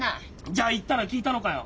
じゃ言ったら聞いたのかよ？